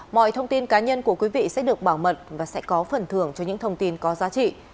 mọi thông tin cá nhân của quý vị sẽ được bảo mật và sẽ có phần thưởng cho những thông tin có giá trị